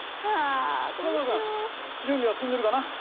さくら君準備は進んでるかな？